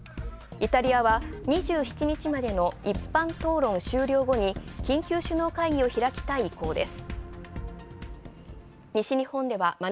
イタリアは２７日までの一般討論演説終了後に緊急首脳会議を開きたい意向です。